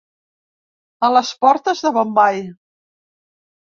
A les portes de Bombai.